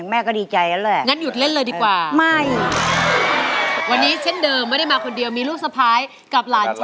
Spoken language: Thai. แม่ก็ดีใจแล้วแหละ